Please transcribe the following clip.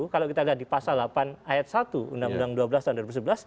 kalau kita lihat di pasal delapan ayat satu undang undang dua belas tahun dua ribu sebelas